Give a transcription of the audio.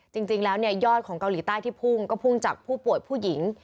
จริงแล้วเนี่ยยอดของเกาหลีใต้ที่พุ่งก็พุ่งจากผู้ป่วยผู้หญิง